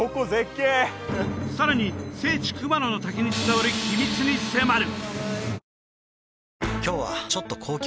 さらに聖地熊野の滝に伝わる秘密に迫る！